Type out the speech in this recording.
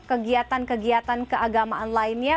kegiatan kegiatan keagamaan lainnya